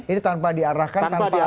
ini tanpa diarahkan tanpa ada pilihan